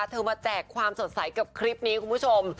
เธอมาแจกความสดใสกับคลิปนี้คุณผู้ชม